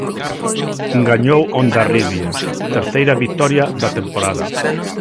Gañou Hondarribia, terceira vitoria da temporada.